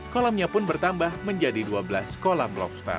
kolamnya pun bertambah menjadi dua belas kolam lobster